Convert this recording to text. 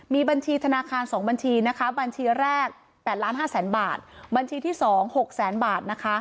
มีบัญชีธนาคาร๒บัญชีบัญชีแรก๘๕๐๐๐๐๐บาทบัญชีที่๒๖๐๐๐๐๐บาท